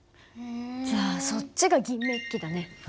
じゃあそっちが銀めっきだね。